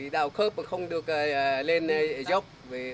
đào khớp mà không được lên dốc